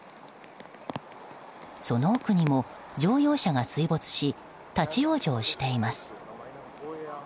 その奥にも、乗用車が水没し立ち往生しています。